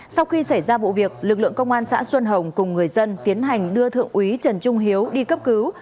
sau khi xảy ra vụ việc lực lượng công an xã xuân hồng cùng người dân tiến hành đưa thượng úy trần trung hiếu đi cấp cứu